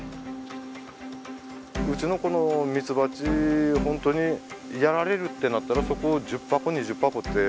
うちのこのミツバチホントにやられるってなったらそこを１０箱２０箱って。